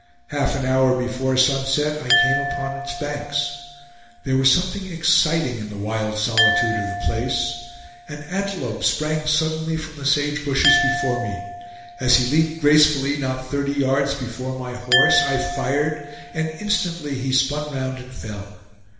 Half an hour before sunset I came upon its banks. There was something exciting in the wild solitude of the place. An antelope sprang suddenly from the sagebushes before me. As he leaped gracefully not thirty yards before my horse, I fired, and instantly he spun round and fell.